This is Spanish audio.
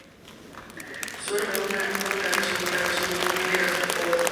Su obra mayor está en una Taxonomía de Gastropoda.